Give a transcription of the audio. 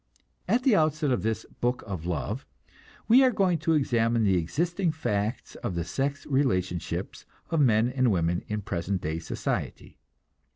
At the outset of this Book of Love we are going to examine the existing facts of the sex relationships of men and women in present day society.